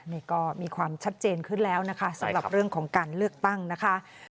นี่ก็มีความชัดเจนขึ้นแล้วนะคะสำหรับเรื่องของการเลือกตั้งนะคะ